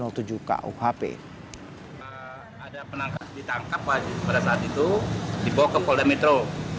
ada penangkap ditangkap pada saat itu dibawa ke polda metro